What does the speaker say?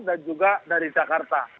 dan juga dari jakarta